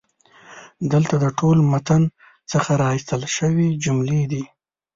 دلته د ټول متن څخه را ایستل شوي جملې دي: